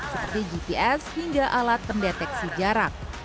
seperti gps hingga alat pendeteksi jarak